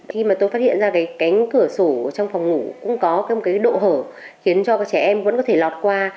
khi mà tôi phát hiện ra cái cánh cửa sổ trong phòng ngủ cũng có một cái độ hở khiến cho các trẻ em vẫn có thể lọt qua